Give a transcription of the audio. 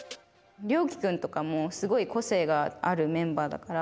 ＲＹＯＫＩ君とかもすごい個性があるメンバーだから。